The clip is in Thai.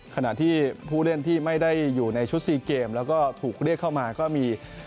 ขณะที่ผู้เล่นที่ไม่ได้อยู่ในชุด๔เกมแล้วก็ถูกเรียกเข้ามาก็มี